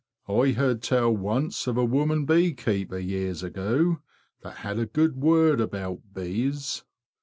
"T heard tell once of a woman bee keeper years ago, that had a good word about bees.